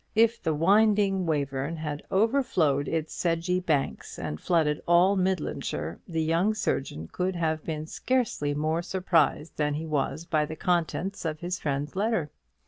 If the winding Wayverne had overflowed its sedgy banks and flooded all Midlandshire, the young surgeon could have been scarcely more surprised than he was by the contents of his friend's letter.